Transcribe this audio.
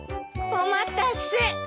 お待たせ。